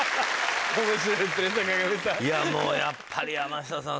いやもうやっぱり山下さん